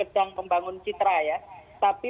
sekejang pembangun citra ya tapi